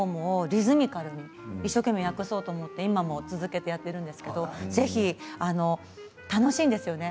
リズミカルに一生懸命訳すこともあって、今も続けてやっているんですけど楽しいですよね。